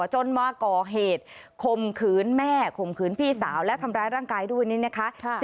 จนมาก่อเหตุคมขืนแม่ข่มขืนพี่สาวและทำร้ายร่างกายด้วยนี่นะคะ